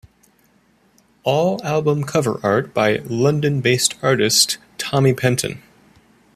All album cover art by London-based artist Tommy Penton.